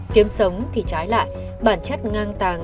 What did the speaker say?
kiếm sống thì trái lại bản chất ngang tàng